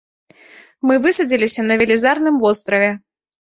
Мы высадзіліся на велізарным востраве.